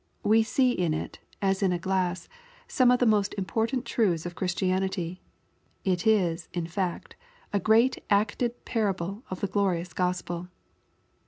We see in it, as in a glass, some of the most important truths of Christianity. It is, in fact, a great acted parable of the glorious Gospel.